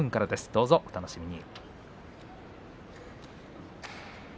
どうぞお楽しみに。